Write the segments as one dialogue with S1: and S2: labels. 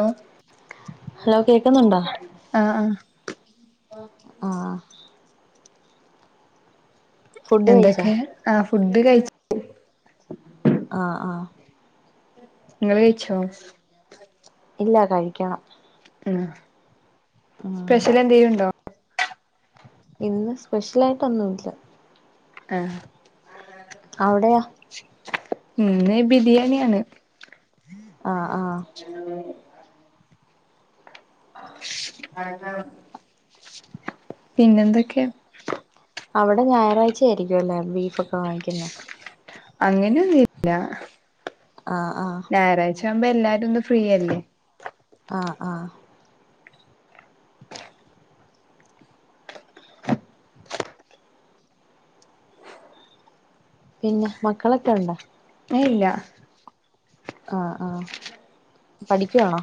S1: ആഹ്
S2: hello കേക്കുന്നുണ്ടോ
S1: ആഹ് ആഹ്
S2: ആഹ് ഫുഡ് കഴിച്ചോ
S1: എന്തൊക്കെ ആ ഫുഡ് കഴിച്
S2: ആഹ് ആഹ്
S1: ഇങ്ങള് കഴിച്ചോ?
S2: ഇല്ല കഴിക്കണം
S1: ഉം
S2: ഉം
S1: സ്പെഷ്യൽ എന്തേലുണ്ടോ?
S2: ഇന്ന് സ്പെഷ്യൽ ആയിട്ടൊന്നും ഇല്ല.
S1: ആഹ്
S2: അവിടെയോ?
S1: ഇന്ന് ബിരിയാണിയാണ്.
S2: ആഹ് ആഹ്
S1: പിന്നെന്തൊക്കെയാ?
S2: അവിടെ ഞായറാഴ്ച ആയിരിക്കും അല്ലേ ബീഫൊക്കെ വാങ്ങിക്കുന്നെ?
S1: അങ്ങനെയൊന്നുംല്ല
S2: ആഹ് ആഹ്
S1: ഞായറാഴ്ച ആവുമ്പോ എല്ലാരും ഇന്ന് ഫ്രീയല്ലേ
S2: ആഹ് ആഹ് പിന്നെ മക്കളൊക്കെയ് ഉണ്ടോ?
S1: ഏയ് ഇല്ല
S2: ആഹ് ആഹ് പഠിക്കുവാണോ?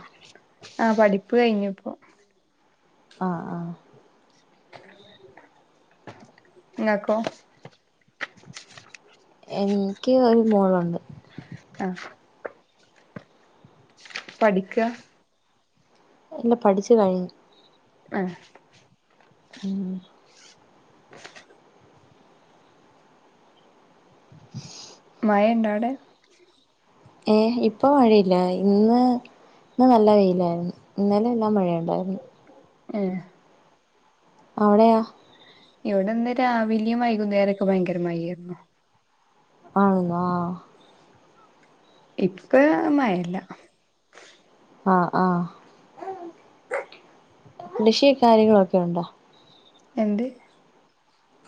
S1: ആഹ് പഠിപ്പ് കഴിഞ്ഞുപ്പോ
S2: ആഹ് ആഹ്
S1: ഇങ്ങക്കൊ?
S2: എൻക്ക് ഒരു മോളുണ്ട്.
S1: ആഹ് പഠിക്കാ?
S2: ഇല്ല പഠിച്ചു കഴിഞ്ഞു.
S1: ആഹ്
S2: ഉം
S1: മഴണ്ടോ അവിടെ?
S2: ഏഹ് ഇപ്പൊ മഴയില്ല ഇന്ന് ഇന്ന് നല്ല വെയിലായിരുന്നു. ഇന്നലെ നല്ല മഴയുണ്ടായിരുന്നു.
S1: ഏഹ്
S2: അവിടെയൊ?
S1: ഇവിടെന്ന് രാവിലിം വൈകുന്നേരൊക്കെ ഭയങ്കര മഴ ആയിരുന്നു.
S2: ആന്നോ
S1: ഇപ്പേ മഴയില്ല.
S2: ആഹ് ആഹ് കൃഷി കാര്യങ്ങളൊക്കെ ഉണ്ടോ?
S1: രണ്ട്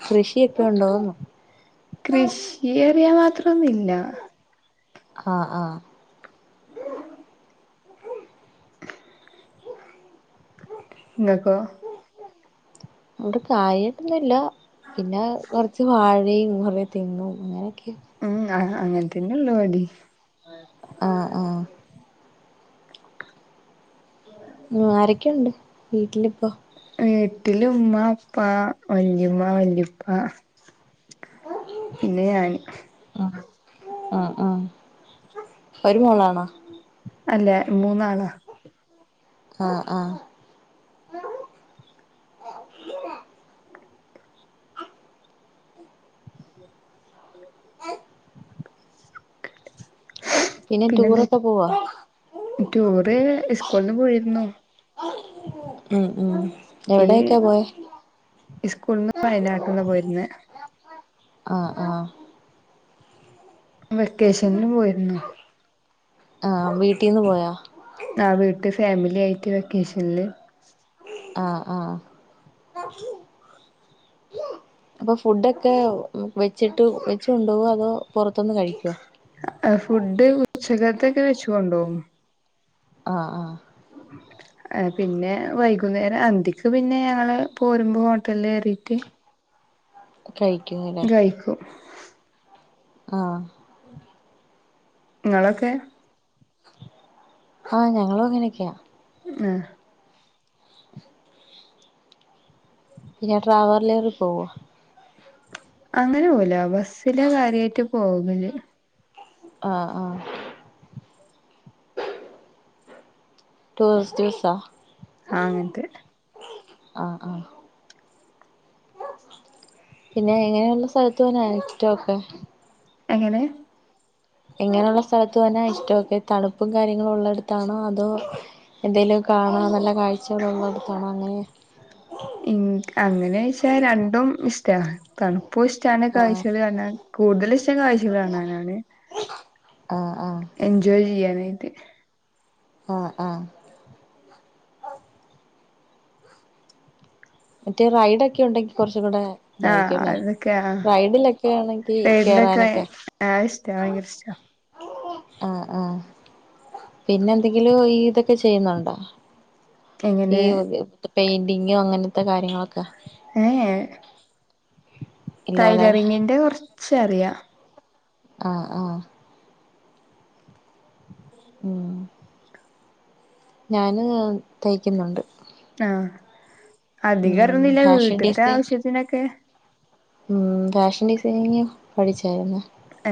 S2: കൃഷിയൊക്കെ ഉണ്ടോന്ന്
S1: കൃഷിയറയാൻ മാത്രോന്നുല്ല
S2: ആഹ് ആഹ്
S1: ങ്ങക്കൊ
S2: അവിടെ കാര്യട്ടൊന്നുംല്ല പിന്നെ കുറച്ച് വാഴയും കുറ തെങ്ങും മ്മുക്കെ
S1: ഉം അങ്ങനെത്തന്നെ ഉള്ളു ഇവടിം
S2: ആഹ് ആഹ് ഉം ആരെക്കെണ്ട് വീട്ടിലിപ്പോ
S1: വീട്ടില് ഉമ്മ ഉപ്പാ വല്യുമ്മ വല്യുപ്പ പിന്നെ ഞാന്
S2: അഹ് അഹ് ഒരു മോളാണോ
S1: അല്ല മൂന്നാളാ
S2: ആഹ് ആഹ് [inaudible] പിന്നെ
S1: പിന്നെന്ത്
S2: ടൂറൊക്കെ പോവാ
S1: ടൂറ് സ്കൂൾന്ന് പോയിരുന്നു
S2: ഉം ഉം
S1: ഈ
S2: എവിടെയൊക്കെ പോയെ
S1: സ്കൂൾന്ന് വയനാട്ടിൽന്ന് പോയിരുന്നെ
S2: ആഹ് ആഹ്
S1: വെക്കേഷനിലും പോയിരുന്നു
S2: ആഹ് വീട്ടീന്ന് പോയോ
S1: ആ വീട്ട് ഫാമിലി ആയിട്ട് വെക്കേഷനില്
S2: ആഹ് ആഹ് അപ്പൊ ഫുഡൊക്കെ വെച്ചിട്ട് വെച്ച് കൊണ്ടോവാ അതോ പുറത്ത്ന്ന് കഴിക്കോ
S1: ഫുഡ് ഉച്ചക്കത്തെ ക്കെ വെച്ച് കൊണ്ടോവും
S2: ആഹ് ആഹ്
S1: [inaudible] ഏഹ് പിന്നെ വൈകുന്നേരം അന്തിക്ക് പിന്നെ ഞങ്ങള് പോരുമ്പോ ഹോട്ടൽല് കേറീറ്റ്
S2: കഴിക്കുംന്ന്ലെ
S1: കഴിക്കും
S2: ആഹ്
S1: ഇങ്ങളൊക്കെ
S2: ഹാ ഞങ്ങളും അങ്ങനെയൊക്കെയാ
S1: മ് ഹ്
S2: പിന്നെ ട്രാവർലർലിൽ പോവോ
S1: അങ്ങനെ പോവുല ബസ്സിലാ കാര്യായിട്ട് പോകല്
S2: ആഹ് ആഹ് റ്റുറിസ്റ്റ് ബസ്സാ
S1: ആഹ് അങ്ങൻത്തെ
S2: ആഹ് ആഹ് പിന്നെ എങ്ങനെയള്ള സ്ഥലത്ത് പോവാനാ ഇഷ്ടവൊക്കെ
S1: എങ്ങനെ
S2: എങ്ങനെയുള്ള സ്ഥലത്ത് പോവാനാ ഇഷ്ടവൊക്കെ തണുപ്പും കാര്യങ്ങളും ഉള്ളടത്താണോ അതോ എന്തേലും കാണാൻ നല്ല കാഴ്ചകളള്ളിടത്താണോ അങ്ങനെ
S1: ഇൻ അങ്ങനോയ്ച്ചാ രണ്ടും ഇഷ്ടാണ് തണുപ്പും ഇഷ്ടാണ്
S2: ആഹ്
S1: കാഴ്ചകൾ കാണാൻ കൂടുതൽ ഇഷ്ടം കാഴ്ചകൾ കാണാനാണ്
S2: ആഹ് ആഹ്
S1: എൻജോയ് ചെയ്യാനായിട്ട്
S2: ആഹ് ആഹ്. മറ്റെ റൈഡ ഒക്കെ ഉണ്ടെങ്കി കൊർച്ചും കൂടെ
S1: ആഹ്
S2: തായിരിക്കും അല്ലേ,
S1: അതൊക്കെ ആഹ്
S2: റൈഡിലൊക്കെ ആണെങ്കി കേറാനൊക്കെ
S1: ആഹ് ഇഷ്ട്ടാ ഭയങ്കര ഇഷ്ട്ടാ.
S2: ആഹ് ആഹ് പിന്നെ എന്തെങ്കിലും ഈതൊക്കെ ചെയ്യുന്നുണ്ടോ? ഈ
S1: എങ്ങനെ
S2: യൊ പെയിന്റിങ്ങും അങ്ങനത്തെ കാര്യങ്ങളൊക്കെ.
S1: ഏ ഏ
S2: ഇല്ലാലെ
S1: ടൈലറിങ്ങിന്റെ കൊറച്ച അറിയാം.
S2: ആഹ് ആഹ്. ഉം. ഞാന് തയ്ക്കുന്നുണ്ട്.
S1: ആഹ്
S2: ഉം
S1: അധികറന്നില്ല
S2: ഫാഷൻ
S1: വീട്ട്ത്തെ
S2: ഡിസൈൻ
S1: ആവശ്യത്തിനൊക്കെ
S2: ഉം. ഫാഷൻ ഡിസൈനിങ് പഠിച്ചായിരുന്നോ?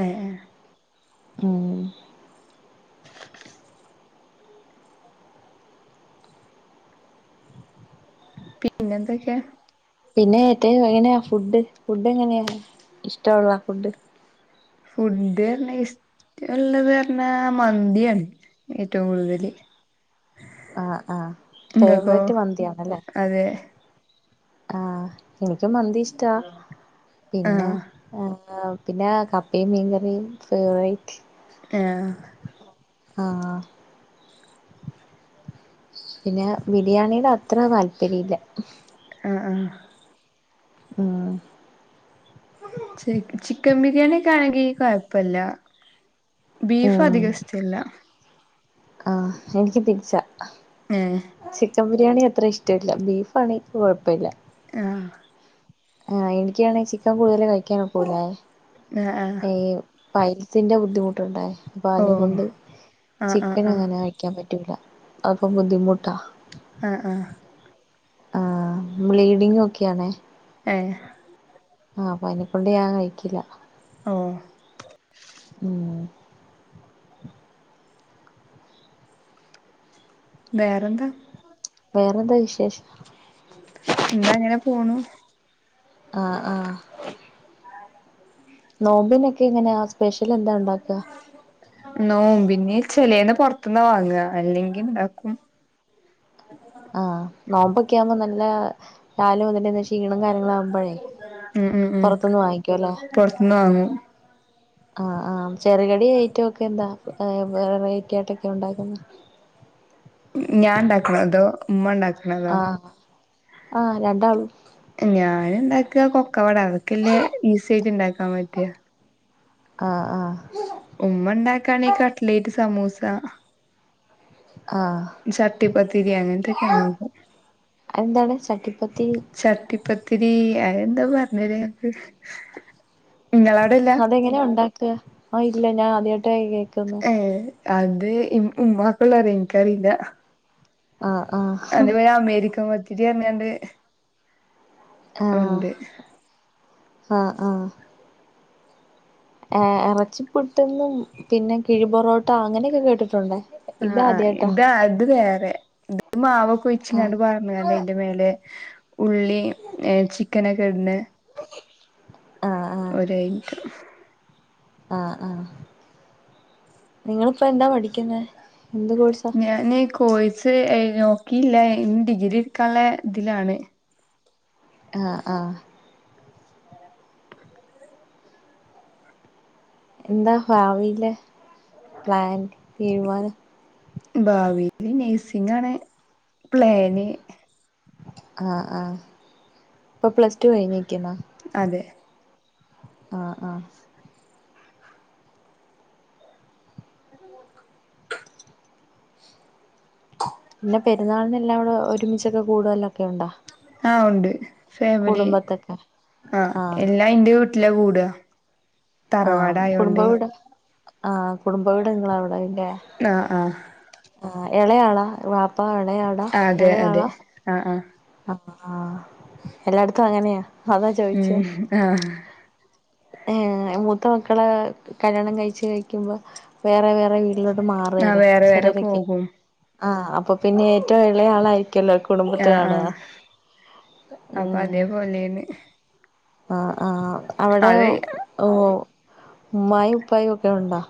S1: ഏ ഏ.
S2: ഉം.
S1: പിന്നെന്തൊക്കേ?
S2: പിന്നെ ഏറ്റ എങ്ങനെയാ? ഫുഡ് ഫുഡ് എങ്ങനെയാ? ഇഷ്ട്ടോള്ള ഫുഡ്.
S1: ഫുഡറിഞാ ഇഷ് ള്ളത് അറിഞ്ഞാൽ മന്തിയാണ് ഏറ്റവും കൂടുതല്.
S2: ആഹ് ആഹ്,
S1: ഇങ്ങക്കോ
S2: ഫേവറൈറ്റ് മന്തിയാണല്ലേ.
S1: അതെ
S2: ആഹ് എനിക്കും മന്തി ഇഷ്ട്ടാ പിന്നെ
S1: ആഹ്
S2: ആഹ്, പിന്നെ കപ്പയും മീൻകറിയും ഫേവറേറ്റ്.
S1: ആഹ്.
S2: ആഹ്. പിന്നെ ബിരിയാണീല് അത്ര താല്പര്യ ഇല്ല.
S1: ആഹ് ആഹ്.
S2: ഉം.
S1: ചി ചിക്കം ബിരിയാണിക്കെ ആണെങ്കി കുഴപ്പല്ല ബീഫ്
S2: ഉം
S1: അധികം ഇഷ് ഇല്ലാ.
S2: ആഹ് എനിക്ക് തിരിച്ചാ ആ.
S1: ഏ.
S2: ചിക്കൻ ബിരിയാണി അത്ര ഇഷ്ട്ടല്ല ബീഫ് ആണെ ക്ക് കുഴപ്പമില്ല.
S1: ആഹ്.
S2: ആഹ്, എനിക്കാണെ ചിക്കൻ കൂടുതൽ കഴിക്കാനൊക്കൂലാ
S1: ആഹ് ആഹ്
S2: ഈ പൈൽസിന്റെ ബുദ്ധിമുട്ടുണ്ടായി, അപ്പൊ
S1: ഓഹ്
S2: അതിനെകൊണ്ട്
S1: ആഹ് ആഹ് ആഹ്
S2: ചിക്കനങ്ങനെ ക കഴിക്കാൻ പറ്റൂല അപ്പം ബുദ്ധിമുട്ടാ.
S1: ആഹ് ആഹ്.
S2: ആഹ്, ബ്ലീഡിംങ് ഒക്കെയാണേ.
S1: ഏ.
S2: ആഹ്, അപ്പൊ അയിനെകൊണ്ട് ഞാൻ കഴിക്കില്ല.
S1: ഓഹ്.
S2: ഉം.
S1: വേറെന്താ?
S2: വേറെന്താ വിശേഷം?
S1: എന്താ അങ്ങനെ പോണു.
S2: ആഹ്, ആഹ്. നോമ്പിനൊക്കെ എങ്ങനെയാ? സ്പെഷ്യൽ എന്താ ഉണ്ടാക്കാ?
S1: നോമ്പിന് ചെലേത് പൊറത്തുന്നാ വാങ്ങാ അല്ലെങ്കി ഉണ്ടാക്കും.
S2: ആഹ്, നോമ്പൊക്കെ ആവുമ്പോ നല്ലാ രാവിലെ മുതൽ ഇങ്ങനെ ക്ഷീണം കാര്യങ്ങളും ആകുമ്പോഴേ
S1: ഉം ഉം ഉം
S2: പൊറത്തുന്ന് വാങ്ങിക്കും അല്ലേ.
S1: പൊറത്ത്ന്ന് വാങ്ങും
S2: ആഹ് ആഹ് ചെറുകടി ഐറ്റവും ഒക്കെ എന്താ വെറൈറ്റിയായിട്ടൊക്കെ ഉണ്ടാക്കുന്നെ
S1: ഞാൻ ഇണ്ടാക്കണതോ അതോ ഉമ്മ ഇണ്ടാക്കണതോ
S2: ആഹ് ആഹ് രണ്ടാളും
S1: ഞാൻ ഇണ്ടാക്കുക കൊക്കവട അതൊക്കല്ലേ ഈസി ആയിട്ട് ഇണ്ടാക്കാൻ പറ്റുവ
S2: ആഹ് ആഹ്
S1: ഉമ്മ ഉണ്ടാക്കാണെ കട്ലേറ്റ് സമൂസ-
S2: ആഹ്
S1: ഈ ചട്ടിപ്പത്തിരി അങ്ങനത്തെ ഒക്കെ ഉണ്ടാക്കും
S2: അതെന്താണ് ചട്ടിപ്പത്തി
S1: ചട്ടി- പത്തിരി അതിന് എന്താ പറഞ്ഞുരു തരുക ഇങ്ങക്ക്
S2: അതെങ്ങനെയാ ഒണ്ടാക്കുക ആ ഇല്ല ഞാൻ ആദ്യമായിട്ടാ കേൾക്കുന്നെ
S1: ഏ അത് ഉമ്മാക്കെ അറിയൂ എനിക്കറില്ല.
S2: ആഹ് ആഹ്
S1: അതേപോലെ അമേരിക്കൻ പത്തിരി പറഞ്ഞോണ്ട്
S2: ആഹ്
S1: ഉണ്ട്
S2: ആഹ് ആഹ് എറച്ചിപ്പുട്ടെന്നും പിന്നെ കിഴിപൊറോട്ട അങ്ങനെയൊക്കെ കേട്ടിട്ടുണ്ടേ.
S1: ആഹ് ആഹ്
S2: ഇതാദ്യായിട്ടാ
S1: ഇതാ അത് വേറെ ഇത് മാവൊക്കെ
S2: ആഹ്
S1: ഒഴിച്ചിങ്ങണ്ട്- വേറെ അതിന്റെ മേലെ ഉള്ളിയും ചിക്കനൊക്കെ ഇട്ണെ
S2: ' [unintelligible]
S1: ഓരോ ഐറ്റം
S2: ആഹ് ആഹ് നിങ്ങളിപ്പോ എന്താ പഠിക്കുന്നെ എന്ത് കോഴ്സാ
S1: ഞാന് കോഴ്സ് നോക്കിയില്ല ഇനി ഡിഗ്രി എടുക്കാനുള്ള ഇതിലാണ്
S2: ആഹ് ആഹ് എന്താ ഭാവിയിലെ പ്ലാൻ തീരുമാനം.
S1: ഭാവിയിൽ നഴ്സിംഗ് ആണ് പ്ലാന്
S2: ആഹ് ആഹ് ഇപ്പൊ പ്ലസ് ടു കഴിഞ്ഞിനിക്കുന്നോ
S1: അതെ
S2: ആഹ് ആഹ്
S1: ഉ [unintelligible]
S2: പിന്നെ പെരുന്നാളിന് എല്ലാവരും ഒരുമിച്ചൊക്കെ കൂടലൊക്കെ ഉണ്ടോ?
S1: ആഹ് ഉണ്ട് ഫാമിലി
S2: കുടുംബത്തൊക്കെ
S1: ആഹ് എല്ലാം എൻ്റെ വീട്ടിലാ കൂടുക. തറവാട് ആയോണ്ട്
S2: ആ കുടുംബവീട് നിങ്ങള് അവിടെ ആ ഇല്ലേ
S1: ആഹ് ആഹ്
S2: ഇളയാളാ വാ-
S1: അതെ അതെ ആഹ് ആഹ്
S2: ആ ഹ് എല്ലായിടത്തും അങ്ങനെയാ അതാ
S1: ഉം
S2: ചോയിച്ചെ
S1: ആഹ്
S2: ഏ മൂത്ത മക്കള് കല്യാണം കഴിച്ചു നിക്കുമ്പോ വേറെ വേറെ വീട്- വീട്ടിലോട്ട്
S1: ആഹ്
S2: മാറുവേലെ
S1: വേറെ വേറെ
S2: ചെലരോക്കെ
S1: പോകും
S2: ആഹ് അപ്പൊ പിന്നെ ഏറ്റവും എള ആളായിരിക്കല്ലോ കുടുംബത്ത്
S1: ആഹ്
S2: കാണ്ക
S1: ആഹ് അപ്പൊ അതേപോലെയാണ്
S2: ആഹ് ആഹ് അവിടെ
S1: അത്
S2: ഉമ്മായും ഉപ്പായും ഒക്കെ ഉണ്ടോ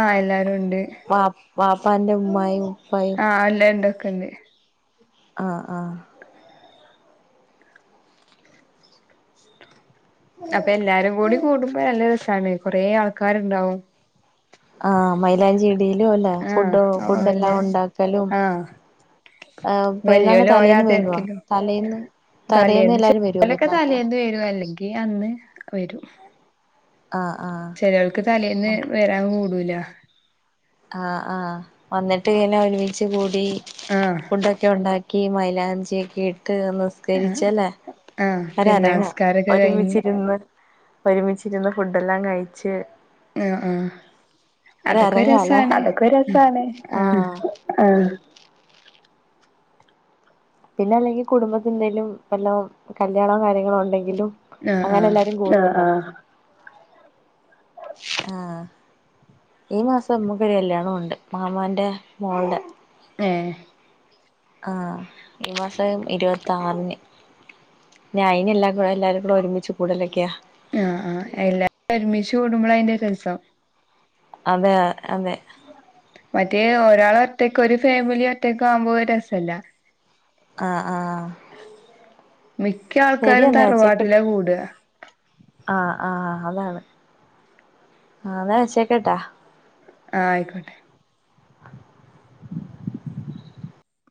S1: ആഹ എല്ലാരുണ്ട്
S2: വ വാപ്പാൻ്റെ ഉമ്മായും- ഉപ്പായും
S1: ആഹ് അല്ല ഇണ്ടൊക്കെണ്ട്
S2: ആഹ് ആഹ്
S1: അപ്പൊ എല്ലാരും കൂടി കൂടുംപോ നല്ല രസാണ് കൊറേ ആൾക്കാരുണ്ടാവും
S2: ആഹ് മൈലാഞ്ചിയിടലും അല്ല
S1: ആഹ്
S2: ഫുഡ് ഫുഡ്
S1: ഓലെ
S2: എല്ലാം ഒണ്ടാക്കലും-
S1: ആഹ്
S2: ആ പെരുന്നാളിൻ്റെ
S1: വല്യോല് ഓലെ ആ
S2: തലേന്ന് വരുവോ
S1: തെരക്കിലും
S2: തലേന്ന്
S1: തലേന്ന്
S2: എല്ലാരും വരുവോ
S1: ചെലോരോക്കെ
S2: പെരുന്നാളിന്റെ
S1: തലേന്ന് വരും അല്ലെങ്കിൽ അന്ന് വരും
S2: ആ ഹ് ആഹ്
S1: ചെലോൽക്ക് തലേന്ന് വരാൻ കൂടൂല
S2: ആ ആഹ് വന്നിട്ട് വിന്ന ഒരുമിച്ച് കൂടി
S1: ആഹ്
S2: ഫുഡൊക്കെ ഒണ്ടാ ക്കി മയിലാഞ്ചിയൊക്കെ ഇട്ട് തന്ന്
S1: ആഹ്
S2: കരിച്ചല്ലേ
S1: ആഹ് പെരുന്നാൾ
S2: അരരങ്ങ
S1: നിസ്കാരൊക്കെ കഴിഞ്ഞ്
S2: ഒരുമിച്ചിരുന്ന് ഒരുമിച്ചിരുന്ന് ഫുഡെല്ലാം കയിച്ച്
S1: അ ആഹ് അതൊക്കരസ്
S2: ആ ഹതൊക്കൊ രസാണ് ആഹ് ആ പിന്നെ അല്ലെങ്കി കുടുംബത്ത് ന്തെലും വല്ലൊ കല്യാണോ കാര്യങ്ങളോ ഉണ്ടെങ്കിലും
S1: ആഹ്
S2: അങ്ങനെ
S1: ആഹ്
S2: എല്ലാരും അ ആ ആഹ് ഈ മാസമ്മക്കൊര് കല്ല്യാണോണ്ട് മാമാന്റെ മോൾടെ
S1: ഏഹ്
S2: ആഹ് ഈ മാസം ഇരുവത്താർന് ഞാ അയിനെല്ലാ കു എല്ലാരും കൂടൊരുമിച്ച് കൂടലൊക്കെയാ
S1: അ ആഹ് എല്ലാരൊരുമിച്ച് കൂടുമ്പളായിന്റെ രസം
S2: അതെയാ അതെ
S1: മറ്റേ ഒരാളൊറ്റക്കൊര് ഫേമിലി ഒറ്റക്കാവുമ്പോ രസല്ല
S2: ആ ആഹ്
S1: മിക്ക്യാൾക്കാരും
S2: ശരിയെന്നാ
S1: തറവാട്ടിലാ കൂടാ
S2: അ ആഹതാണ് ആ താ വച്ചേക്കട്ടാ
S1: ആയിക്കോട്ടെ